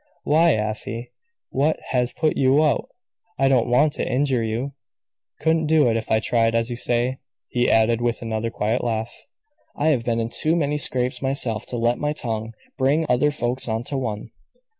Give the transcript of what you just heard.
"Why, Afy, what has put you out? I don't want to injure you. Couldn't do it, if I tried, as you say," he added, with another quiet laugh. "I have been in too many scrapes myself to let my tongue bring other folks into one."